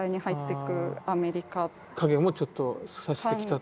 影もちょっとさしてきたと。